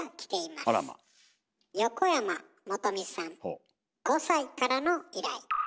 横山元美さん５歳からの依頼。